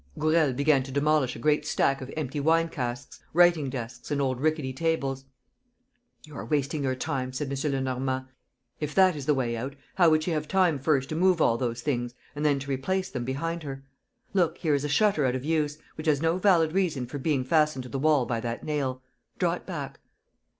Gourel began to demolish a great stack of empty wine casks, writing desks and old rickety tables. "You are wasting your time," said M. Lenormand. "If that is the way out, how would she have time first to move all those things and then to replace them behind her? Look, here is a shutter out of use, which has no valid reason for being fastened to the wall by that nail. Draw it back."